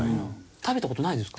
食べた事ないですか？